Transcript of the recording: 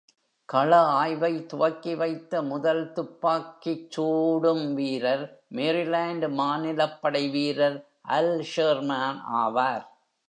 கள ஆய்வை துவக்கி வைத்த முதல் துப்பாக்கிச் சூடும் வீரர் Maryland மாநிலப் படை வீரர் Al Sherman ஆவார்.